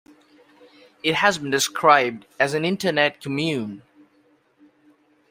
It has been described as an internet commune.